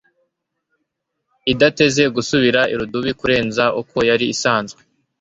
idateze gusubira irudubi kurenza uko yari isanzwe